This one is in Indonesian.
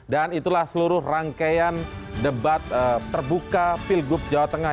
dan itulah seluruh rangkaian debat terbuka field group jawa tengah